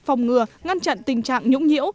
phòng ngừa ngăn chặn tình trạng nhũng nhiễu